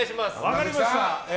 分かりました。